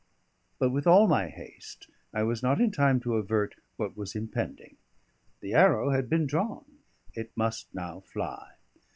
But with all my haste I was not in time to avert what was impending: the arrow had been drawn; it must now fly.